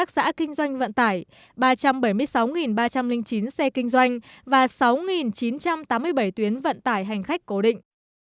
xe kinh doanh vận tải ba trăm bảy mươi sáu ba trăm linh chín xe kinh doanh và sáu chín trăm tám mươi bảy tuyến vận tải hành khách cố định